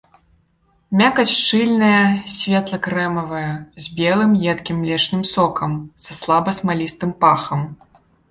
Мякаць шчыльная, светла-крэмавая, з белым едкім млечным сокам, са слаба смалістым пахам.